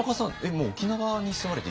もう沖縄に住まれて１１年？